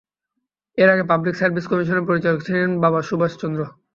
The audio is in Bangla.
এর আগে পাবলিক সার্ভিস কমিশনের পরিচালক ছিলেন বাবা সুভাষ চন্দ্র।